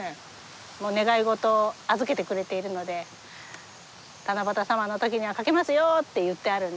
もう願い事を預けてくれているので七夕様の時には掛けますよって言ってあるんですね。